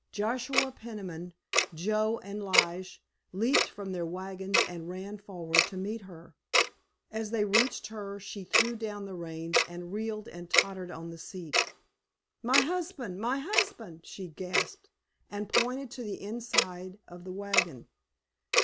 Joshua Peniman, Joe and Lige leaped from their wagons and ran forward to meet her. As they reached her she threw down the reins and reeled and tottered on the seat. "My husband—my husband!" she gasped, and pointed to the inside of the wagon.